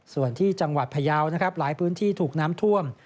ส่วนที่จังหวัดพยาวนะครับหลายพื้นที่ถูกน้ำท่วม